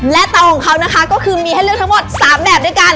และเตาของเขานะคะก็คือมีให้เลือกทั้งหมด๓แบบด้วยกัน